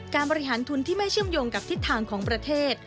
การบริหารทุนที่ไม่เชื่อมโยงกับทิศทางของประเทศ